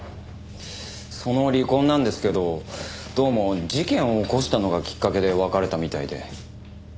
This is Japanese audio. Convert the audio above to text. その離婚なんですけどどうも事件を起こしたのがきっかけで別れたみたいで。